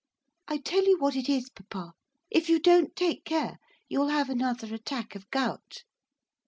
'I tell you what it is, papa, if you don't take care you'll have another attack of gout.